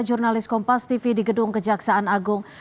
jurnalis kompas tv di gedung kejaksaan agung